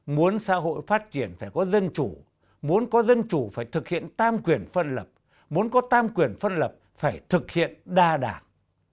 muốn xã hội phát triển phải có dân chủ muốn có dân chủ phải thực hiện tam quyền phân lập muốn có tam quyền phân lập phải thực hiện đa đảng